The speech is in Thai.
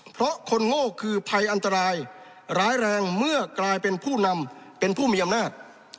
เพราะคนโง่คือภัยอันตรายร้ายแรงเมื่อกลายเป็นผู้นำเป็นผู้มีอำนาจ